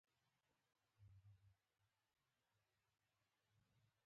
هغه د باران پر څنډه ساکت ولاړ او فکر وکړ.